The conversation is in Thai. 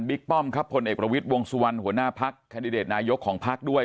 ป้อมครับผลเอกประวิทย์วงสุวรรณหัวหน้าพักแคนดิเดตนายกของพักด้วย